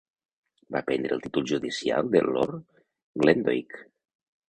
Va prendre el títol judicial de Lord Glendoick.